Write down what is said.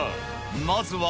まずは。